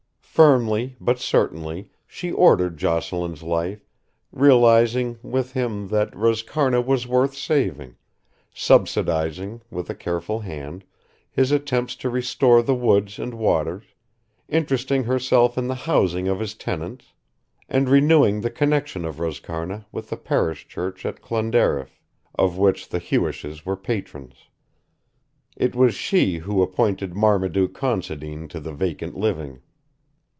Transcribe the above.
Firmly, but certainly, she ordered Jocelyn's life, realising, with him, that Roscarna was worth saving, subsidising, with a careful hand, his attempts to restore the woods and waters, interesting herself in the housing of his tenants, and renewing the connection of Roscarna with the parish church of Clonderriff, of which the Hewishes were patrons. It was she who appointed Marmaduke Considine to the vacant living.